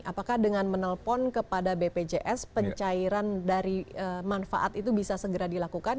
apakah dengan menelpon kepada bpjs pencairan dari manfaat itu bisa segera dilakukan